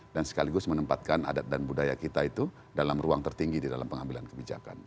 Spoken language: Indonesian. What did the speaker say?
dan sekaligus menempatkan adat dan budaya kita itu dalam ruang tertinggi di dalam pengambilan kebijakan